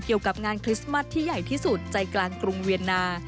เกี่ยวกับงานคริสต์มัสที่ใหญ่ที่สุดใจกลางกรุงเวียนนา